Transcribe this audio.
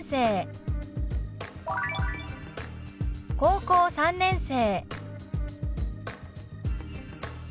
「高校３年生」。